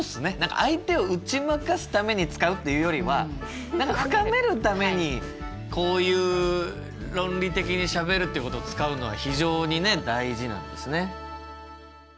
相手を打ち負かすために使うっていうよりは深めるためにこういう論理的にしゃべるってことを使うのは非常にね大事なんですね。